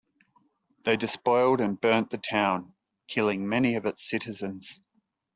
They despoiled and burnt the town, killing many of its citizens.